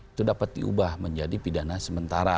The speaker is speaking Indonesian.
itu dapat diubah menjadi pidana sementara